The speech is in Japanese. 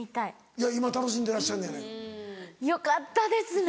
いや今楽しんでらっしゃるのやないか。よかったですね